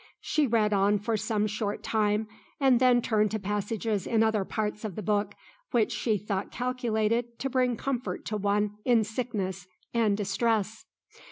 She read on for some short time, and then turned to passages in other parts of the Book which she thought calculated to bring comfort to one in sickness and distress.